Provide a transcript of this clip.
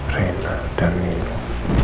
rena dan nino